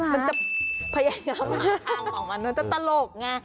มันจะพะยะเหอะมากความวาดมันจะตลกนะ